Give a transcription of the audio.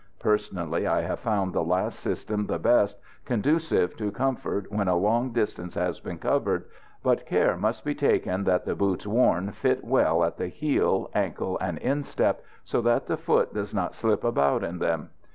Personally, I have found the last system the best conducive to comfort when a long distance has to be covered; but care must be taken that the boots worn fit well at the heel, ankle and instep, so that the foot does not slip about in them.